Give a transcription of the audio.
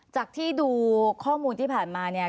จากที่ดูข้อมูลที่ผ่านมาเนี่ย